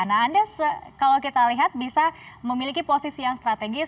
nah anda kalau kita lihat bisa memiliki posisi yang strategis